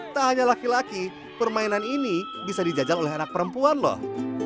tak hanya laki laki permainan ini bisa dijajal oleh anak perempuan loh